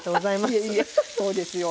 いえいえそうですよ。